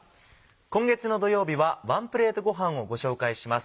今月の土曜日はワンプレートごはんをご紹介します。